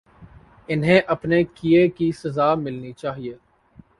انہیں اپنے کیے کی سزا ملنی چاہیے۔